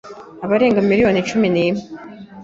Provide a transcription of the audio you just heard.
abarenga miliyoni cumi nimwe